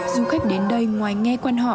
du khách đến đây ngoài nghe quan họ